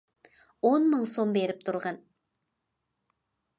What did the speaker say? ئون مىڭ سوم بېرىپ تۇرغىن.